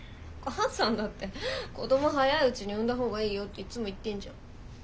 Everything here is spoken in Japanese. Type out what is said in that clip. お母さんだって子ども早いうちに産んだ方がいいよっていつも言ってんじゃん。